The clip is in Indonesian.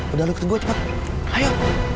udah lo ikut gue cepet ayo